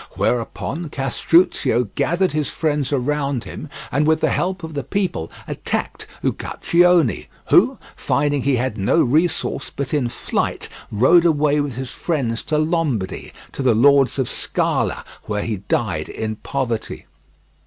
Whereupon Castruccio gathered his friends around him, and with the help of the people attacked Uguccione; who, finding he had no resource but in flight, rode away with his friends to Lombardy, to the lords of Scale, where he died in poverty.